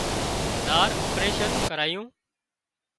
زار اپريشن ڪرايوُن